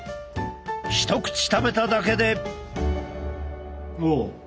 一口食べただけで。